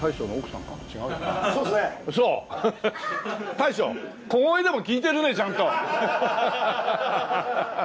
大将小声でも聞いてるねちゃんと。